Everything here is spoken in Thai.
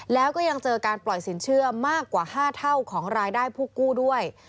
แล้วก็ยังเจอการปล่อยสินเชื่อมากกว่า๕เท่าของรายได้ผู้กู้ด้วย